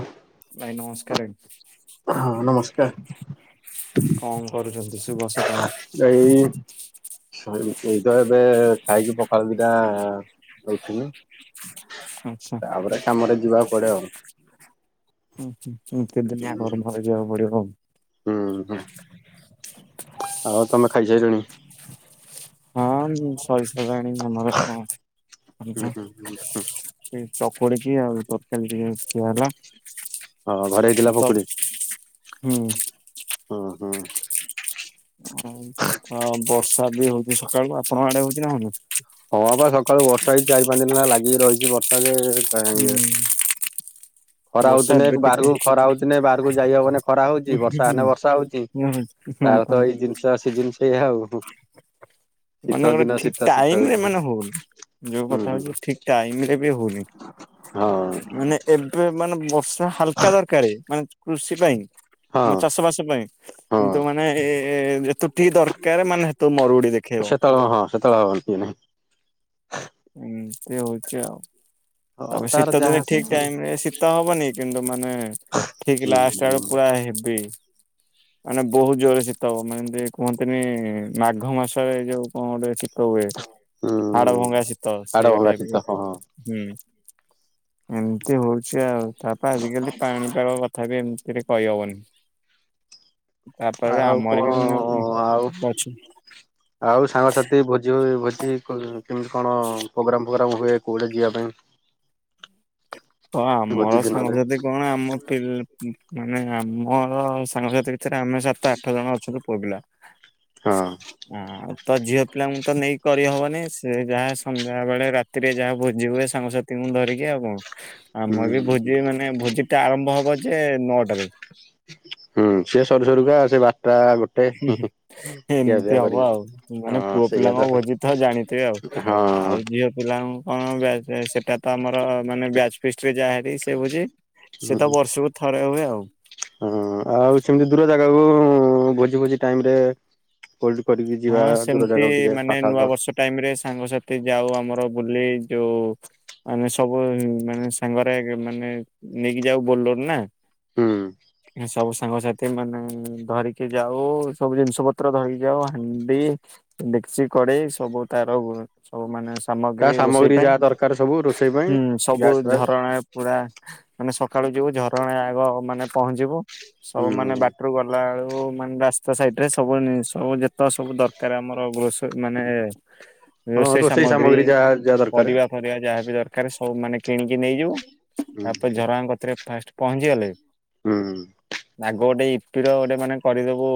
ଆଉ। ଭାଇ ନମସ୍କାର। ନମସ୍କାର କଣ କରୁଛନ୍ତି? ସୁଭ ସକାଳ। ଏଇ ସଇ ଏଇ ତ ଏବେ ଖାଇକି ପଖାଳ ଦିଟା ଉଠିଲି। ଆଚ୍ଛା। ତାପରେ କାମରେ ଯିବାକୁ ପଡେ ଆଉ। ହୁଁ ହୁଁ ହୁଁ କେତଦିନିଆ ଗରମ ହୁଁ [unintelligible] ଯିବାକୁ ପଡିବ ହୁଁ ଆଉ। ଆଉ ତମେ ଖାଇସାରିଲଣି? ସରିସାଲାଣି ଆମର ହୁଁ କଣ- ହୁଁ ସେ ଚକୁଡିକି ଆଉ ତରକାରୀ ଟିକେ ଖୀଆ ହେଲା। ହଁ ଘରେ ହେଇଥିଲା ସବ୍ ପକୁଡି ହୁଁ। ହୁଁ ହୁଁ। ଆଉ ହଁ ବର୍ଷା ବି ହଉଛି ସକାଳୁ। ଆପଣଙ୍କ ଆଡେ ହୋଉଛି ନା ହୋଉନି? ହଁ ବା ସକାଳୁ ବର୍ଷା ହେଇଛି ଚାରି ପାଞ୍ଚ ଦିନ ହେଲା ଲାଗି ରହିଛି ବର୍ଷା ଯେ ଇଏ ହୁଁ। ଖରା ବର୍ଷା ହୋଉଥିଲେ ଏବେ ଟିକେ ବାହାରକୁ ଖରା ହୋଉଥିଲେ ବାହାରକୁ ଯାଇହବନି ଖରା ହୁଁ, ହଉଛି ହୁଁ, ବର୍ଷା ହୁଁ, ହେଲେ ବର୍ଷା ହଉଛି। ହଉଛି। ହଁ ତାର ପା, ତ ଏଇ ଜିନିଷ ସିଜିନ ସେଇଆ ଆଉ। ଶୀତ ମାନେ ଗୋଟେ ଦିନ ଶୀତ ଠିକ ଶୀତ ଟାଇମରେ ହଉଛି ମାନେ ହୋଉନି। ଯୋଉ କଥା ହଉଛି ହୁଁ ଠିକ ଟାଇମରେ ବି ହଉନି। ହଁ ମାନେ ଏ ମାନେ ବର୍ଷା ହାଲକା ଦରକାର ମାନେ କୃଷି ପାଇଁ। ହଁ ଆମ ଚାଷ ବାସ ପାଇଁ ହଁ କିନ୍ତୁ ମାନେ ଏ ଯେତୁ ଠିକ ଦରକାର ମାନେ ହେତଳୁ ମରୁଡି ଦେଖ ସେତଳୁ ହଁ ସେତଳୁ ହନ୍ତି ନାଇଁ। ଏମିତି ହଉଛି ଆଉ। ହଁ ତାପରେ ତାର ଶୀତ ଯାହା ଯଦି ଠିକ ଆସିଛି। ଟାଇମ ରେ ଶୀତ ହବନି କିନ୍ତୁ ମାନେ ଠିକ ହୁଁ ଲାଷ୍ଟ ହୁଁ ଆଡୁ ପୁରା ହେବି। ମାନେ ବହୁତ ଜୋରରେ ଶୀତ ହବ ମାନେ ଦେ କୁହନ୍ତିନି ମାଘ ମାସରେ ଏ ଯୋଉ କଣ ଗୋଟେ ଶୀ ତ ହୁଏ। ହାଡ ହୁଁ ଭଙ୍ଗା ଶୀତ ହାଡ଼ ସେଇ ଭଙ୍ଗା ଶୀତ ଟାଇପର ହଁ ହଁ। [unintelligible] ହୁଁ ଏମିତି ହୋଉଛି ଆଉ ତାପରେ ଆଜିକାଲି ପାଣିପାଗ କଥ ତଥାପି ଏମତି ଟିକେ କହିହବନି। ତାପରେ ଆଉ ଆମର କଣ ବି ମାନେ କଣ ଆଉ ଗଛ ଆଉ ସାଙ୍ଗସାଥି ଭୋଜି ଭୋଜି କୋଲିନୁ କେମିତି କଣ ପ୍ରୋଗ୍ରାମ ଫୋଗ୍ରାମ ହୁଏ କୌଆଡେ ଯିବା ପାଇଁ? ହଁ ଆମର ଭୋଜି ଦିନରେ ସାଙ୍ଗସାଥି କଣ। ଆମ କିଲ ମାନେ ଆମର ସାଙ୍ଗସଥି ଭିତରେ ଆମେ ସାତ ତ ଆଠ ଜଣ ଅଛନ୍ତି ପୁଅପିଲା। ହଁ ହଁ ତ ଝିଅ ପିଲାଙ୍କୁ ତ ନେଇକି କରିହବନି। ସେ ଯାହା ସନ୍ଧ୍ୟା ବେଳେ ରାତ ରାତିରେ ଯାହା ଭୋଜି ହୁଏ ସାଙ୍ଗସାଥିଙ୍କୁ ଧରିକି ଆଉ କଣ। ହୁଁ ଆମର ବି ଭୋଜି ମାନେ ଭୋଜି ଟା ଆରମ୍ଭ ହବ ଯେ ନଅଟାରେ। ହୁଁ ସିଏ ସରୁ ସରୁକା ସେ ବାରଟା ଗୋ ହୁଁ ହୁଁ ଏମତି ହବ ଆଉ, ମାନେ ହଁ ପୁଅ ସେଇଆ ପିଲାଙ୍କ ତ ହଁ। ଭୋଜି ଥାଉ ଜାଣିଥିବେ ଆଉ। ହଁ ଆଉ ଜିଅ ପିଲାଙ୍କୁ କଣ ବ୍ୟାଚ ଯାଏ, ସେଟା ତ ଆମର ମାନେ ବ୍ୟାଚ ଫିଷ୍ଟ ରେ ଯାଏନି ସେ ଭୋଜି। ସିଏ ତ ବର୍ଷୁକୁ ଥରେ ହୁଏ ଆଉ। ହଁ ଆଉ ସେମିତି ଦୂର ଜାଗାକୁ-ଉ ଭୋଜି ଫୋଜି ଟାଇମ୍ ରେ ହୋଲଡ଼ କରିକି ଯିବା ଦୂର ଜାଗାକୁ ଟିକେ ପାଖଆଖ। ଟାଇମ୍ ରେ ସାଙ୍ଗସାଥି ଯାଉ ଆମର ବୁଲି ଯୋଉ ମାନେ ସବୁ ମାନେ ସାଙ୍ଗରେ ଆଗେ ମାନେ ନେଇକି ଯାଉ ବୋଲୋର ନା। ହୁଁ। ଏଇ ନା ସବୁ ସାଙ୍ଗସାଥ ଥି ମାନେ ଧରିକି ଯାଉ, ସବୁ ଜିନ୍ଷ ପତ୍ର ଧରିକି ଯାଉ। ଆ ଆଣ୍ଡି, ଡେକଚି, କଡେଇ ସବୁ ତାର ହୁଏ। ସବୁ ମାନେ ତା ସାମଗ୍ରୀ ରୋଷେଇ ପାଇଁ। ଯାହା ଦରକାର ସବୁ ରୋଷେଇ ପାଇଁ ହୁଁ ସବୁ ଗ୍ୟାସ୍ ଫ୍ୟାସ୍ ଝରଣା ପୁରା ମାନେ ସକାଳୁ ଯିବୁ ଝରଣା ଆଗ ମାନେ ପହଞ୍ଚିବୁ। ସବୁ ମାନେ ହୁଁ। ବାଟ ଏଠୁ ଗଲାଳୁକୁ ମାନେ ରାସ୍ତା ସାଇଟ୍ ରେ ସବୁ ନିଷ ସବୁ ଜେତ ତ ସବୁ ଦରକାର ଆମର ଗ୍ରୋସରି। ମାନେ ହଁ ରୋଷେଇ ସାମଗ୍ରୀ, ଯାହା ଯାହା ଦରକାର ପରିବା ଫରିବା ଯାହାବି ଦର ଏକାରି ସବୁ ମାନେ କିଣିକି ନେଇଯିବୁ। ହୁଁ ତାପରେ ହୁଁ ଝରଣା କତିରେ ଫାଷ୍ଟ ପହଞ୍ଚିଗଲେ ହୁଁ। ଆଗ ଗୋଟେ ଇପ୍ପୀ ର ଗୋଟେ ମାନେ କରିଦେବୁ,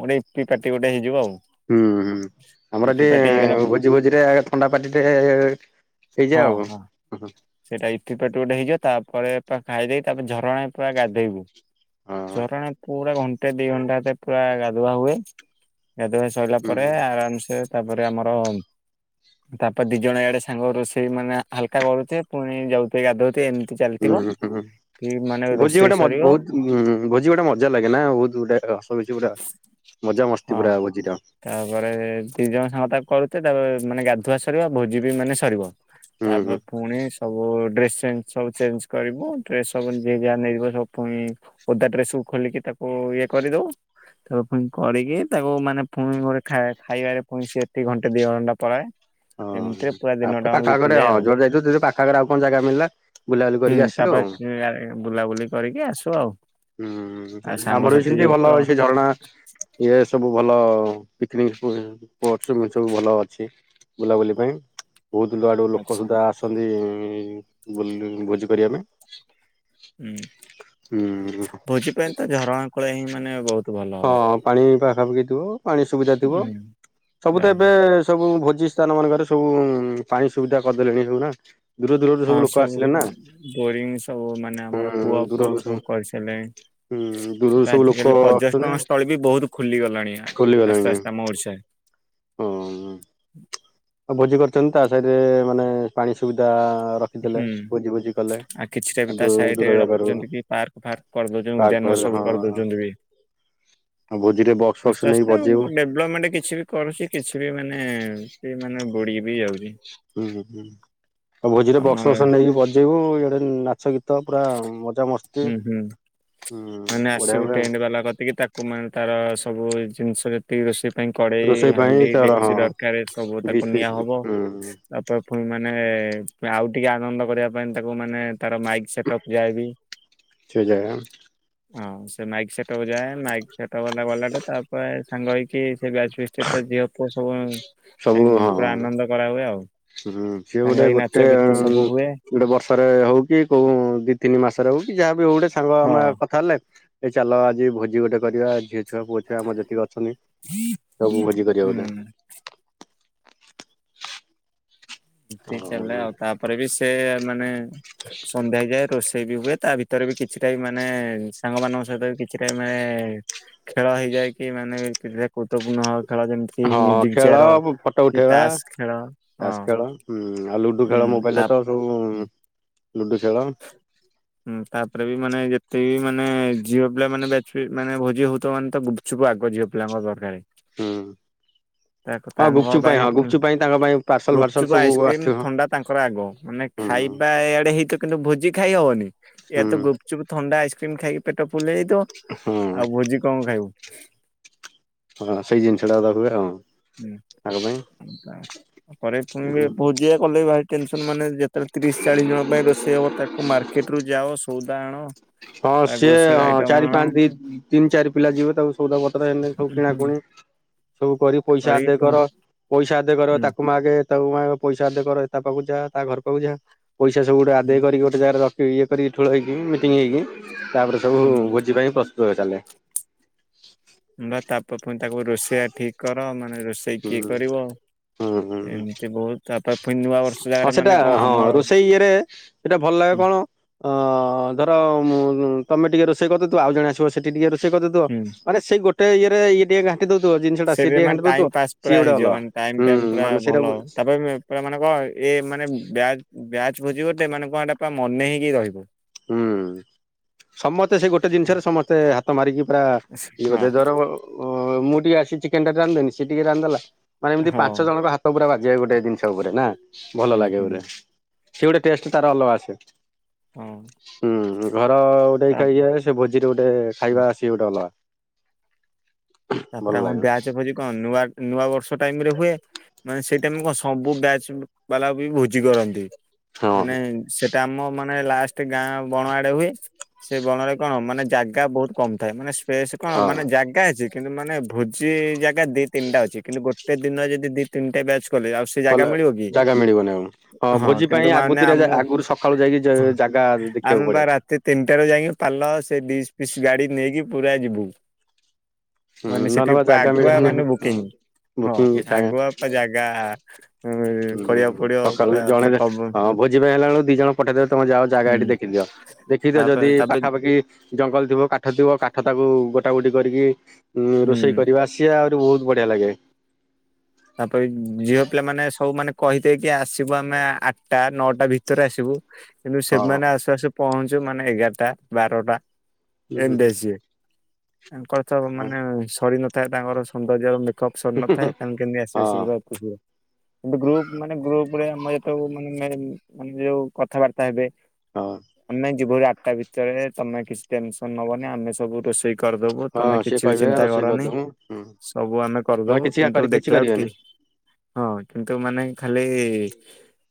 ଗୋଟେ ଇପ୍ପୀ ପାର୍ଟି ଗୋଟେ ହେଇଯିବ ଆଉ। ହୁଁ ହୁଁ ଆମର ଇପି ପାଟି ହେଇଗଲା ପ ଏଠି ଭୋଜି ଫୋଜି ରେ ଆଗ ଥଣ୍ଡା ପାଟି ଟେ ହେଇଯାଏ ହଁ ଆଉ କଣ। ହଁ ହୁଁ ହୁଁ। ସେଇଟା ଇପ୍ପୀ ପାଟି ଗୋଟେ ହେଇଯାଏ, ତାପରେ ପା ଖାଇଦେଇକି ତାପରେ ଝରଣାରେ ପୁରା ଗାଧେଇବୁ। ହଁ। ଝରଣା ପୁରା ଘଣ୍ଟେ ଦି ଘଣ୍ଟା ପେ ପୁରା ଗାଧୁଆ ହୁଏ। ଗାଧୁଆ ସଇଲା ହୁଁ ପରେ ଆରାମସେ ତାପରେ ଆମର ତାପରେ ଦି ଜଣ ଇଆଡେ ସାଙ୍ଗ ରୋଷେଇ ମାନେ ହାଲ୍କା କରୁଥିବେ, ପୁଣି ଯାଉଥିବେ ଗାଧୋଉଥିବେ। ଏମ ଉଁ ହୁଁ ଭୋଜି ରୋଷେଇ ଗୋଟେ ମଜ୍ ସରିବ ବୋହୁତ ହୁଁ ଭୋଜି ଗୋଟେ ମଜା ଲାଗେନା ଆଉ, ବୋହୁତ୍ ଗୋଟେ ହସ ଖୁସି ଗୋଟେ ଆଉ, ମଜା ହଁ ମସ୍ତି ପୁରା ଭୋଜିଟା। ତାପରେ ଦି ଜଣ ସାଙ୍ଗ ତାକୁ କରୁଥିବେ, ତାପ ମାନେ ଗାଧୁଆ ସରିବ ଭୋଜି ବି ମାନେ ସରିବ। ହୁଁ ତାଗପ। ହୁଁ ପୁଣି ସବୁ ଡ୍ରେସ୍ ଚେଞ୍ଜ ସବୁ ଚେଞ୍ଜ କରିବୁ ଡ୍ରେସ ଯିଏ ଯାହା ନେଇ ଥିବ ସବୁ ପୁଣି ଓଦାଡ୍ରେସ୍ ସୁବ ଖୋଲିକି ତାକୁ ଇଏ କରିଦୋଉ। ତା ଫୁଣି କରିକି ତାକୁ ମାନେ ପୁଣି ଗୋଟେ ଖାଇଆ ଖାଇଵାରେ ପୁଣି ସେଠି ଘଣ୍ଟେ ଦି ଘଣ୍ଟା ପଳାଏ। ହଁ ଏମିତିରେ ପୁରା ଦିନଟା ତାପରେ ଆମ ପାଖ ଆଖରେ ବିତିଯାଏ ହଁ ଆଉ ଜୋଆଡେ ଯାଇଥିବୁ ଯେଦି ଦେଖିବୁ ପାଖ ଆଖରେ ଆଉ କଣ ଜାଗା ମିଳିଲା। ବୁଲାବୁଲି ହୁଁ କରିକି ଆସିଲୁ ଆଉ। ତାପରେ ଟି ବୁଲାବୁଲି କରିକି ଆସୁ ଆଉ। ହୁଁ ହୁଁ ଆଉ ଆମର ବି ସାଙ୍ଗସାଥି ସେମ୍ତି ଯୋଗୁ ଭଲ ତ ହଏ, ସେ ଝରଣା ଇଏ ସବୁ ଭଲ ପିକନିକ୍ ସ୍ପୁ ପୋଟ୍ସ ଇମିତି ସବୁ ଭଲ ଅଛି। ବୁଲାବୁଲି ପାଇଁ, ବହୁତ୍ ଦୁଲ ଆଡୁ ଲୋକ ଆଚ୍ଛା। ସୁଦ୍ଧା ଆସ ଆସନ୍ତୀ-ଇ-ଇ-ବୁଲି ଭୋଜି କରିଆ ପାଇଁ। ହୁଁ ହୁଁ ଭୋଜି ପାଇଁ ତ ଝରଣା କୂଳେ ହିଁ ମାନେ ବୋହୁତ୍ ହଁ ପାଣି ପାଖାପାଖି ଥିବ, ପାଣି ସୁବିଧା ଥିବ ହୁଁ ସବୁ ତ ବାସ୍। ଏବେ ସବୁ ଭୋଜି ସ୍ଥାନ ମାନଙ୍କରେ ସବୁ-ଉ ପାଣି ସୁବିଧା କରିଦେଲେଣି ସବୁ ନା। ଦୂର ଦୂରରୁ ସବୁ ଲୋକ ଆସିଲେ ନା ବୋରିଂ ସବୁ ମାନେ ଆମର କୂଅ ହୁଁ ଫୁଅ ଦୂରରୁ ସବୁ ହୁଁ। କରିସାରିଲେଣି। ହୁଁ ଦୂରୁରୁ ସବୁ ଲୋକ ଆସୁଚ ଟନ ସ୍ଥଳୀ ବି ବୋହୁତ୍ ଖୁଲି ଗଲାଣି, ଆ-ଆସ୍ତେ ଆସ୍ତେ ଆମ ଓଡିଶାରେ। ହଁଉମ୍। ଆଉ ଭୋଜି କରୁଚନ୍ତି, ତା ସହିତେ ମାନେ ପାଣି ସୁବିଧା ରଖିଦେଲେ ହୁଁ ଭୋଜି ଭୋଜି କଲେ। ଆଉ କିଛିଟା ବି ଦୂ ତା ସାଇଟ୍ ରେ ଦୂର ଜାଗାରୁ ରଖୁଛନ୍ତି କି ପାର୍କ ଫାର୍କ କରଦୋଉଚନ୍ତି ପାର୍କ ଉଦ୍ୟାନ ଫାର୍କ ସବୁ ହଁ। କରଦୋଉଚନ୍ତି ବି। ଆଉ ଭୋଜିରେ ବକ୍ସ ଫକ୍ସ ନେଇ ବଜେଇବୁ ଲପମେଣ୍ଟ କିଛି ବି କରୁଛି କିଛି ବି ମାନେ କି ମାନେ କି ମାନେ ବୁଡି ବି ଯାଉଚି। ହୁଁ ହୁଁ ହୁଁ। ଆଉ ଭୋଜି ରେ ବକ୍ସ ଆମର ଫକ୍ସ ନେଇକି ବଜେଇବୁ ଏଇଆଡେ ନାଚ ଗୀତ ପୁରା ମଜା ମସ୍ତି। ହୁଁ ହୁଁ ମାନେ ବଢିଆ ଆସିବୁ ହୁଏ ଆଉ ଟେଣ୍ଟ ବାଲା କତିକି ତାକୁ ମାନେ ତାର ସବୁ ଜିନିଷ ଯେ ରୋଷେଇ ପାଇଁ କଡେଇ ରୋଷେଇ ପାଇଁ ହାଣ୍ଡି ତାର ହଁ ଡେକ୍ଚି ଦରକାରେ ସବୁ ତାକୁ ଡିସ୍ ନିଆ ଫିସ୍ ହୁଁ ହବ। ତାପ ପୁଣି ମାନେ ଆଉ ଟିକେ ଆନନ୍ଦ କରିବା ପାଇଁ ତାକୁ ମାନେ ତାର ମାଇକ୍ ସେଟ ଅପ ଦିଆଇବି। [unintelligible] ହଁ ସେ ମାଇକ୍ ସେଟକୁ ଯାଏ ମାଇକ ସେଟ ଗଲା ଗଲାଠୁ ତାପରେ ସାଙ୍ଗ ହେଇ କି ସେ ବ୍ୟାଚ୍ ଫିଷ୍ଟ ତ ଝିଅ ପୁଅ ସବୁ ସବୁ ହଁ ପୁରା ଆନନ୍ଦ କରାହୁଏ ଆଉ। ହୁଁ ସିଏ ସାଙ୍ଗ ଗୋଟେ ହେଇ ଗୋଟେ ନାଚ ଆଉ ଗୀତ ସବୁ ହୁଏ ଗୋଟେ ବର୍ଷରେ ହଉ କି କୋଉ ଦି ତିନି ମାସରେ ହଉ କି ଯାହାବ ହଉ ଗୋଟେ ସାଙ୍ଗ ହଁ ଆମେ କଥା ହେଲେ ଏଇ ଚାଲ ଆଜି ଭୋଜି ଗୋଟେ କରିବା ଝିଅ ଛୁଆ ପୁଅ ଛୁଆ ଆମର ଯେତିକି ଅଛନ୍ତି ସବୁ ଭୋଜି କରିବା ଗୋଟେ। ଉଁ। ଏତି ଚାଲେ ଆଉ ତାପରେ ବି ସେ ମାନେ ସନ୍ଧ୍ୟା ହେଇଯାଏ ରୋଷେଇ ବି ହୁଏ ତା ଭିତରେ ବି କି କିଛିଟା ବି ମାନେ ସାଙ୍ଗମାନଙ୍କ ସହିତ ବି କିଛିଟା ମା ଖେଳ ହେଇଯାଏ କି ମାନେ ଗୁରୁତ୍ୱପୂର୍ଣ୍ଣ ହବ ଖେଳ ଯେମତି ହଁ ଖେଳ ଫଟୋ ଉଠେଇବା ଖେଳ ହଁ ତାସ ଖେଳ। ହୁଁ ଆଉ ଲୁଡୁ ଉଁ ଖେଳ ତା ମୋବାଇଲରେ ତ ସବୁ ଲୁଡୁ ଖେଳ। [inaudible] ହୁଁ ତାପରେ ବି ମାନେ ଯେତେ ବି ମାନେ ଝିଅ ପିଲା ମାନେ ଵ୍ୟାଚ୍ ମାନେ ଭୋଜି ହଉଥବ ମାନେ ତ ବୁ ଛୁପ୍ ଆଗ ଝିଅ ପିଲାଙ୍କର ଦରକାରେ। ହୁଁ। ତାକୁ ହଁ ତାଙ୍କ ଘ ଗୁପଚୁପ୍ ପାଇଁ ହଁ ଗୁପଚୁପ୍ ପାଇଁ ତାଙ୍କ ପାଇଁ ପାର୍ସଲ ଫାର୍ସଲ ଗୁପ୍ଚୁପ୍ ସବୁ ଆଇସ୍କ୍ରିମ ଆସିଥିବ ଥଣ୍ଡା ତାଙ୍କର ଆଗ ମାନେ ହୁଁ ଖାଇବା ଇଆଡେ ହେ ଇ ତ କିନ୍ତୁ ଭୋଜି ଖାଇ ହବନି ୟ ହୁଁ ତ ଗୁପଚୁପ୍ ଥଣ୍ଡା ଆଇସ୍କ୍ରିମ୍ ଖାଇକି ପେଟ ଫୁଲ୍ ହେଇ ଯାଇଥିବ। ହୁଁ ହଁ ସେଇ ଜିନିଷ ଟା କଥା କୁହେ ଆଉ। ତାଙ୍କ ପାଇଁ ହୁଁ ପରେ ପୁଣି ବି ପୁ ଯେ କଲେ ଭାଇ ଟେନ୍ସନ୍ ମାନେ ଯେତେବେଳେ ତିରିଶ୍ ଚାଳିଶ ଜଣ ପାଇଁ ରୋଷେଇ ହବ ତାକୁ ମାର୍କେଟ ରୁ ଯାଅ ସଉଦା ଆଣ। ହଁ ତା ସିଏ ଗ୍ରୋସରୀ ହଁ ଆଇଟମ ଚାରି ଆଣ ପାଞ୍ଚ ଦି ତିନି ଚାରି ପିଲା ଯିବେ ତାକୁ ସଉଦାପତ୍ର ହେନ ଦେନ ସବୁ କିଣାକୁଣି ସବୁ କରି ପଇସା କରିକି ଆଦେ ପୁଣି କର ପଇସା ଆଦେ କର ହୁଁ ତାକୁ ମାଗେ। ତାକୁ ମାଗେ ପଇସା ଆଦାୟ କର ତା ପାଖକୁ ଯା ତା ଘର ପାଖକୁ ଯା ପଇସା ସବୁ ଗୋଟେ ଆଦାୟ ହୁଁ। କରିିକି ଗୋଟେ ଜାଗାରେ ରଖି ଇଏ କରିକି ଠୁଳ ହେଇକି ମିଟିଙ୍ଗ ହେଇକି ତାପରେ ସବୁ ଭୋଜି ପାଇଁ ପ୍ରସ୍ତୁତ ହୋଇଚାଲେ। ବା ତାପରେ ପୁଣି ତାକୁ ରୋଷେଇଆ ଠିକ୍ କର ମାନେ ରୋଷେଇ ହୁଁ କିଏ କରିବ? ହୁଁ ହୁଁ ହଁ ଏମିତି ବହୁତ ତାପରେ ପୁଣି ନୂଆ ବର୍ଷ ହଉ ଜାଗାରେ ସେଟା ମାନେ କଣ ହଁ ଆମର ରୋଷେଇ ଇଏରେ ସେଇଟା ଭଲ ଲାଗେ ହୁଁ କଣ ଅ ଧର ତମେ ଟିକେ ରୋଷେଇ କରୁଥିବ ଆଉ ଜଣେ ଆସିବ ସେଠି ଟିକେ ରୋଷେଇ କରିଦଉଥିବ ହୁଁ। ମାନେ ସେଇ ଗୋଟେ ଇଏ ରେ ଟିକେ ଘାଣ୍ଟି ଦଉଥିବ ଜିନିଟା ସେ ସେଇଠି ଟିକେ ମାନେ ଘାଣ୍ଟି ଟାଇମ ଦୋଊଥିବ। ପାସ୍ ପୁରା ହେଇଯିବ ମାନେ ଟାଇମ ଟା ପୁରା ଭଲ ତାପ୍ ଏ ପିଲା ମେ କଣ ଏ ମାନେ ବ୍ୟାଜ ବ୍ୟାଜ୍ ଭୋଜିିବ ଗୋଟେ ମାନେ କଣ ଟା ମନେ ହେଇକି ରହିବ। ହୁଁ ସମସ୍ତେ ସେ ଗୋଟେ ଜିନିଷରେ ସମସ୍ତେ ହାତ ମାରିକି ପୁରା ଏ ହଁ ଗୋଟେ ଧର ମୁଁ ଟିକେ ଆସି ଚିକେନ୍ ଟା ରାନ୍ଧି ଦେବୀ ସେ ଟିକେ ରାନ୍ଧିଦେଲା। ମାନେ ଏମିତି ହଁ ପାଞ୍ଚ ଜଣଙ୍କ ହାତ ପୁରା ବାଜିବେ ଗୋଟେ ଜିନିଷ ଉପରେ ନା ଭଲ ହୁଁ ଲାଗେ ହୁଁ ବୋଧେ। ସିଏ ଗୋଟେ ଟେଷ୍ଟ ତାର ଅଲଗା ଆସେ। ହୁଁ। ହୁଁ ହୁଁ ଘର ଗୋଟେ ଖାଇ ସେ ଭୋଜି ରେ ଗୋଟେ ଖାଇବା ସିଏ ଗୋଟେ ଅଲଗା। ଭଲ ତାପରେ ଆମ ଲାଗେ। ବ୍ୟାଚ୍ ଭୋଜି କଣ ନୂଆ ନୂଆ ବର୍ଷ ଟାଇମ୍ ରେ ହୁଏ। ମାନେ ସେଇ ଟାଇମ୍ କଣ ସବୁ ବ୍ୟାଚ୍ ବାଲା ବି ଭୋଜି କରନ୍ତି ହଁ ମାନେ ସେ ଆମ ମାନେ ଲାଷ୍ଟ ଗାଁ ବଣ ଆଡେ ହୁଏ। ସେ ବଣରେ କଣ ମାନେ ଜାଗା ବହୁତ କମ ଥାଏ ମାନେ ସୂ ଫ୍ରେସ୍ କଣ ହଁ ମାନେ ଜାଗା ଅଛି କିନ୍ତୁ ମାନେ ଭୋଜି ଜାଗା ଦି ତିନିଟା ଅଛି କିନ୍ତୁ ଗୋଟେ ଗୋଟେ ଦିନ ରେ ଦି ତିନଟା ବ୍ୟାଚ କଲେ ଆଉ ସ ସେ ଜାଗା କଲେ ମିଳିବ କି ଜାଗା ମିଳିବନି ଆଉ। ହଁ ଭୋଜି ପାଇଁ କିନ୍ତୁ ମାନେ ଆଗତୁରିଆ ଯା ଆମୋ ଆଗରୁ ସକାଳୁ ଯାଇକି ଜାଗା ଦେଖିବାକୁ ଆମେ ପଡେ। ବା ରାତି ତିନିଟାରୁ ଯାଇକି ପାଲ ସେ ଦିଶ୍ ଫିସ୍ ଗାଡ଼ି ନେଇକି ପୁରା ଯିବୁ। ହୁଁ ମାନେ ନହେଲେ ସେଠି ବା ପା ଜାଗା ଆଗୁଆ ମିଳିବନି ମାନେ ହଁ ବୁକିଂ ହଁ ବୁକିଂ ଜାଗା ଆଗୁଆ ପା ଜାଗା ଏଇ କରିବାକୁ ହୁଁ ସକାଳୁ ପୁରା ଜଣେ ତା କବ ହଁ ଭୋଜି ପାଇଁ ହେଲାବେଳୁକୁ ଦି ଜଣ ପଠେଇଦେବେ ତମେ ଯାଅ ଜାଗା ହୁଁ ଏଠି ଦେଖିଦିଅ। ଦେଖିଥା ଯଦି ତାପରେ ତାପରେ ପାଖାପାଖି ଜଙ୍ଗଲ ଥିବ କାଠ ଥିବ କାଠ ତାକୁ ଗୋଟା ଗୋଟି କରିକି ଉଁ ହୁଁ। ରୋଷେଇ କରିବା। ସିଏ ଆହୁରି ବହୁତ ବଢିଆ ଲାଗେ। ତାପରେ ଝିଅ ପିଲାମାନେ ସବୁ ମାନେ କହିଦେଇକି ଆସିବୁ ଆମେ ଆଠଟା ନଅଟା ଭିତରେ ଆସିବୁ କିନ୍ତୁ ହଁ ସେମାନେ ଆସୁ ଆସୁ ପହଞ୍ଚୁ ମାନେ ଏଗାରଟା ବାରଟା ଏମିତି ଆସିବେ। ତାଙ୍କର ତ ହଁ ମାନେ ସରି ନଥାଏ ତାଙ୍କର ସୌନ୍ଦର୍ଯ୍ୟ ଆଉ ମେକପ ସରି ନଥାଏ ତାଙ୍କ କେମିତି ଆସିବେ ଶୀଘ୍ର ଆସିବୁ। ଗ୍ରୁପ ମାନେ ଗ୍ରୁପ ରେ ଆମେ ଯେତେବେଳେ ମାନେ ମାନେ ଯୋଉ କଥାବାର୍ତ୍ତା ହେବେ। ହଁ। ଆମେ ଯିବୁ ଆଠଟା ଭିତରେ ତମେ କିଛି ଟେନ୍ସନ ହବନି ଆମେ ସବୁ ରୋଷେଇ କରିଦବୁ ତମେ ହଁ ସିଏ କିଛି ବି କହିବେ ଚିନ୍ତା ରୋଷେଇ କରନି କରିଦବୁ ସବୁ ଆମେ ହୁଁ କରିଦବୁ କିଛି କିନ୍ତୁ କରି ଦେଖ୍ କିଛି କରିବେନି ହଁ କିନ୍ତୁ ମାନେ ଖାଲି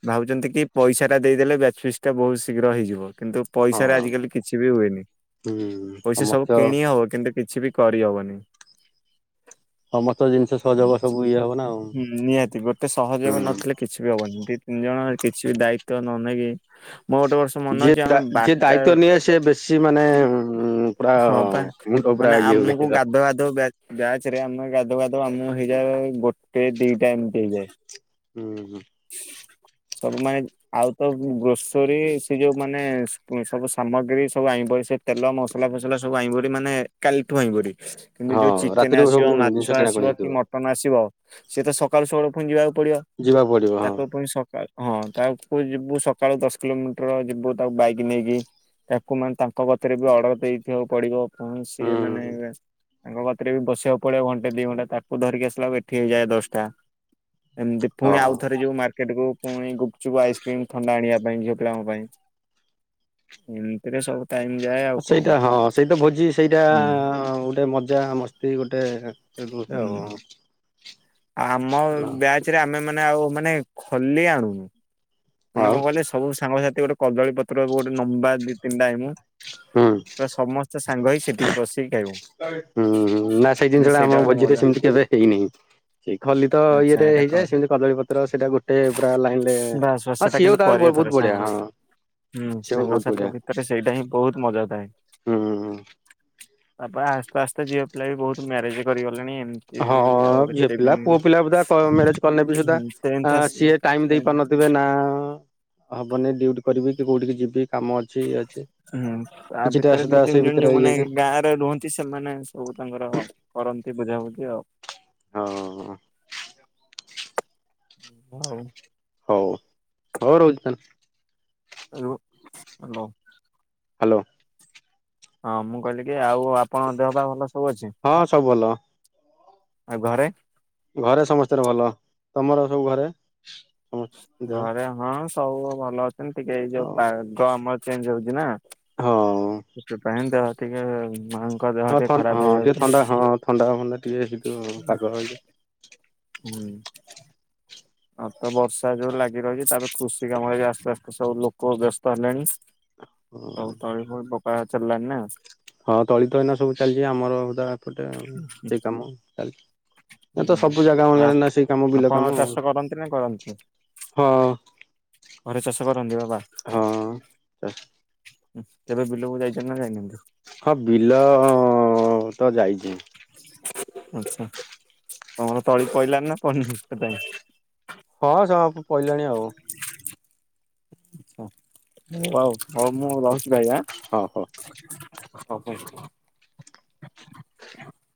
ଭାବୁଛନ୍ତି କି ପଇସା ଟା ଦେଇଦେଲେ ବ୍ୟାଚ୍ ଫିଷ୍ଟି ଟା ବହୁତ ଶୀଘ୍ର ହେଇଯିବ କିନ୍ତୁ ହଁ। ପଇସାରେ ଆଜିକାଲି କିଛି ବି ହୁଏନି ହୁଁ ପଇସାରେ ସବୁ ସମସ୍ତ କିଣି ହବ କିନ୍ତୁ କିଛି ବି କରିହବନି। ସମସ୍ତ ଜିନିଷ ସହଯୋଗ ସବୁ ଇଏ ହବ ନା ଆଉ। ହୁଁ ନିହାତି ଗୋଟେ ହୁଁ ସହଯୋଗ ନଥିଲେ କିଛି ବି ହବନି ଦି ତିନି ଜଣ କିଛି ବି ଦାୟିତ୍ୱ ନ ନେଇକି ମୋର ଗୋଟେ ବର୍ଷ ମନେ ଯିଏ ଅଛି ଆମେ ଯିଏ ବାରଟା ଦାୟିତ୍ଵ ବେଳୁ ନିଏ ସେ ବେଶୀ ମାନେ ପୁରା ହଁ ପା ମୁଣ୍ଡ ପୁରା ମାନେ ଇଏ ହୁଏ ଆମକୁ ଗାଧଉ ଗାଧଉ ବ୍ୟାଚ୍ ବ୍ୟାଚ୍ ରେ ଆମେ ଗାଧୋଉ ଗାଧୋଉ ଆମକୁ ହେଇଯାଏ ଗୋଟେ ଦିଟା ଏମିତି ହେଇଯାଏ। ହୁଁ ହୁଁ। ସବୁ ମାଇଡ୍ ଆଉ ତ ଗ୍ରୋସରୀ ସେ ଯୋଉ ମାନେ ସବୁ ସାମଗ୍ରୀ ସବୁ ଆଇଁ ବଇଁଁ ସେ ତେଲ ମସଲା ଫସଲା ସବୁ ଆଇଁ ବଡି ମାନେ କାଲିଠୁ ଆଇଁ ବଡି। କିନ୍ତୁ ଯୋଉ ହଁ ଚିକେନ ରାତିରେ ଆସିବ ସବୁ ମାଛ ଜିନିଷ ଆସିବ କିଣାକଣି କି ହେଇଥିବ ମ ତମେ ଆସିବ ସିଏ ତ ସକାଳୁ ସକାଳୁ ପୁଣି ଯିବାକୁ ପଡିବ ଯିବାକୁ ପଡିବ ହଁ ତାକୁ ପୁଣି ସକାଳୁ ହଁ ତାକୁୁ ଯିବୁ ସକାଳୁ ଦଶ କିଲୋମିଟର ଯିବୁ ତାକୁ ବାଇକ ନେଇକି। ତାକୁ ମାନେ ତାଙ୍କ କତିରେ ବି ଅର୍ଡର ଦେଇଥିବାକୁ ପଡିବ। ପୁଣି ସିଏ ମାନେ ହୁଁ। ତାଙ୍କ କତିରେ ବି ବସିବାକୁ ପଡିବ ଘଣ୍ଟେ ଦି ଘଣ୍ଟା ତାକୁ ଧରିକି ଆସିଲା ବେ ଠି ହେଇଯାଏ ଦଶଟା ଏମିତି ପୁଣି ହଁ ଆଉଥରେ ଯିବୁ ମା କେଟାକୁ ପୁଣି ଗୁପଚୁପ, ଆଇସ୍କ୍ରିମ, ଥଣ୍ଡା ଆଣିବା ପାଇଁ ଝିଅ ପିଲାଙ୍କ ପାଇଁ। ଏମିତିରେ ସବୁ ଟାଇମ୍ ଯାଏ ଆ ସେଇଟା ହଁ ସେଇଟା ଭୋଜି ସେଇଟା ଗୋଟେ ମଜା ମସ୍ତି ଗୋଟେ। ସେ ହୁଁ। ଗୋଟାକ। ଆମ ବ୍ୟାଚ ରେ ଆମେ ମାନେ ଆଉ ମାନେ ଖଲି ଆଣୁନୁ। ମାନେ ଆଉ କଣ କହିଲେ ସବୁ ସାଙ୍ଗସାଥି ଗୋଟେ କଦଳୀ ପତ୍ର ଗୋଟେ ଲମ୍ବା ଦି ତିନିଟା ଆଣିମୁଁ। ହୁଁ ପୁରା ସମସ୍ତେ ସାଙ୍ଗ ହେଇ ସେଠିକି ବସିକି ଖାଇବୁ ହୁଁ ନା ସେଇ ମାନେ ଜିନିଷଟା ସେଇଟା ଆମ ଗୋଟେ ଭୋଜିରେ ମଜା ସେମିତି କେବେ ହେଇନେହି। ସେଇ ଖଲି ତ ଆଚ୍ଛା ଇଏରେ ଏଇଟା କଣ? ହେଇଯାଏ ସେମିତି କଦଳୀ ପତ୍ର ସେଇଟା ଗୋଟେ ପୁରା ଲାଇନରେ ବାସ୍ ବାସ୍ ହଁ ସେଟା ସିଏ କିନ୍ତୁ ତାର କରିବା ବହୁତ ଥରେ ବହୁତ ବଢିଆ ସାଙ୍ଗ ହଁ ହଁ। ହୁଁ ସାଙ୍ଗସାଥି ଭିତରେ ସେଇଟା ହିଁ ବହୁତ ମଜା ଥାଏ। ହୁଁ। ତାପରେ ଆସ୍ତେ ଆସ୍ତେ ଝିଅ ପିଲା ବି ବହୁତ ମ୍ୟାରେଜ କରିଗଲେଣି ଏମତି ହଁ ଝିଅ ପିଲା ପୁଅ ପିଲା ବଧା ମ୍ୟାରେଜ କଲେ ବି ସୁଦ୍ଧା ହୁଁ ଟେନ୍ଥ ଆସି ସିଏ ଟାଇମ ଦେଇ ଟେନ୍ଥ ପାରୁନଥିବେ ନା ହବନି ଡିଉଟି କରିବି କି କୋଉଠିକି ଯିବି କାମ ଅଛି। ଇଏ ଅଛି। ହୁଁ ତା କିଛିଟା ଭିତରେ ସୁଧା ଯୋଉ ସେଇ ତିନି ଜଣ ଭିତରେ ଯୋଉ ମାନେ ହେଇଯାଇଛି ଗାଁରେ ରୁହନ୍ତି ସେମାନେ ସବୁ ତାଙ୍କର କରନ୍ତି ବୁଝାବୁଝି ଆଉ ହଁ। ହଉ। ହଉ ହଉ ରହୁଚି ତାନେ ହାଲୋ ମାଲୋ। ହାଲୋ। ହଁ ମୁଁ କହିଲି କି ଆଉ ଆପଣ ଦେହ ପା ଭଲ ସବୁ ଅଛି? ହଁ ସବୁ ଭଲ। ଆଉ ଘରେ। ଘରେ ସମସ୍ତେର ଭଲ ତମର ସବୁ ଘରେ? ସମସ୍ତ ଦେହ ଘରେ ହଁ ସବୁ ଭଲ ଅଛନ୍ତି ଟିକେ ଏଇ ଯୋଉ ହଁ ପାଗ ଆମର ଚେଞ୍ଜ ହଉଛି ନା। ହଁ। ସେଥିପାଇଁ ତ ଟିକେ ମାଙ୍କ ଦେହ ଟେ ଖରାପ ହେଇଯାଉଚି। ଥଣ୍ଡାଭଣ୍ଡା ଟିକେ କିନ୍ତୁ ପାଗ ହୋଇଯଏ। ହୁଁ। ହଁ ତ ବର୍ଷା ଯୋଉ ଲାଗି ରହିଚି ତାପରେ କୃଷି କାମରେ ଆସ୍ତେ ଆସ୍ତେ ସବୁ ଲୋକ ବ୍ୟସ୍ତ ହେଲେଣି। ତଉ ତ ପୋକ ଚାଲିଲ ନା। [unintelligible] ହଁ ତଳିତ ଏଇନା ସବୁ ଚାଲିଚି ଆମରଟା ଏପଟେ ସେଇ କାମ ଚାଲିଚି। ଏ ତ ହୁଁ। ସବୁ ଜାଗା ଆ ମାନରେ ନା ସେଇ କାମ ବିଲ ଆପଣ କାମ ଆଉ। ଚାଷ କରନ୍ତି ନା କରନ୍ତିନି ହଁ ଘରେ ଚାଷ କରନ୍ତି ବାବା? ହଁ କେବେ ବିଲକୁ ଯାଇଛନ୍ତି ନା ଯାଇନାହାନ୍ତି? ହଁ ବିଲ ତ ଯାଇଚି। ଆଚ୍ଛା, ତମର ତଳି ପଇଲାନି ନା ପଡ଼ିନେଇ [unintelligible] ହଁ ସ ପଇଲାଣି ଆଉ। ଅଉ, ହଉ ମୁଁ ରହୁଛି ଭାଇ ଆଁ। ହଉ ହଉ। ହ ହଉ।